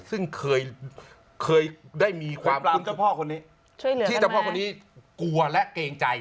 ซึ่งเคยได้มีความที่เจ้าพ่อคนนี้กลัวและเกรงใจ